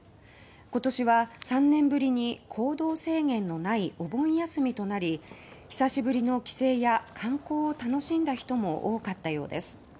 今年は３年ぶりに行動制限のないお盆休みとなり久しぶりの帰省や観光を楽しんだ人も多かったようです。